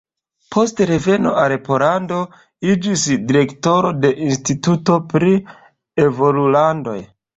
Post reveno al Pollando iĝis direktoro de Instituto pri Evolulandoj.